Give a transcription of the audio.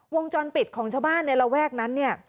วงจรปิดของชาวบ้านในระแวกนั้นเนี่ย